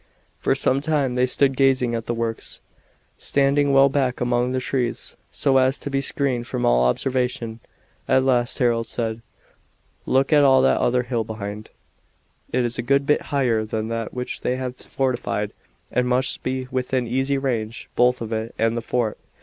For some time they stood gazing at the works, standing well back among the trees, so as to be screened from all observation. At last Harold said: "Look at that other hill behind. It is a good bit higher than that which they have fortified and must be within easy range both of it and the fort.